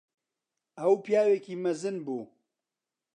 ئەو پیاوێکی مەزن بوو.